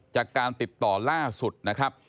จากการติดต่อล่าสุดนะครับ